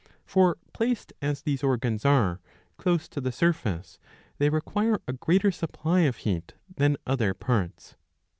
For placed, as these organs are, close to the surface, they require a greater supply of heat than other parts.